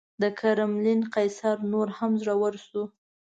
د کرملین قیصر نور هم زړور شو.